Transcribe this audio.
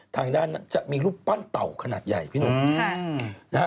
ทางด้านนั้นจะมีรูปปั้นเต่าขนาดใหญ่พี่หนุ่มนะฮะ